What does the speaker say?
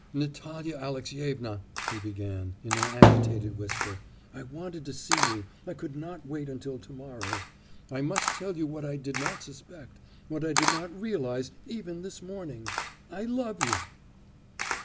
'Natalya Alexyevna!' he began, in an agitated whisper, 'I wanted to see you.... I could not wait till to morrow. I must tell you what I did not suspect what I did not realise even this morning. I love you!